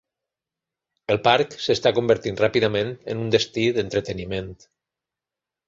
El parc s'està convertint ràpidament en un destí d'entreteniment.